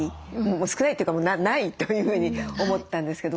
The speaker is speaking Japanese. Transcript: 少ないというかないというふうに思ったんですけど。